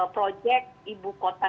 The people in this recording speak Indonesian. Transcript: proyek ibu kota